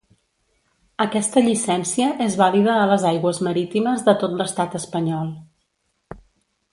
Aquesta llicència és vàlida a les aigües marítimes de tot l'Estat espanyol.